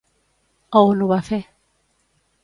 A on ho va fer?